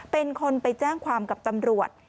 เป็นคนไปแจ้งความกับตำรวจ